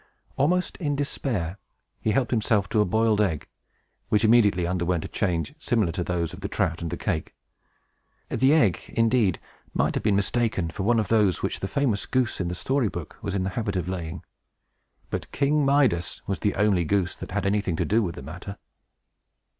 Almost in despair, he helped himself to a boiled egg, which immediately underwent a change similar to those of the trout and the cake. The egg, indeed, might have been mistaken for one of those which the famous goose, in the story book, was in the habit of laying; but King Midas was the only goose that had anything to do with the matter.